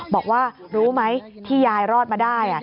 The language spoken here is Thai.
บอกว่ารู้ไหมที่ยายรอดมาได้